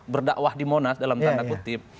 berdakwah di monas dalam tanda kutip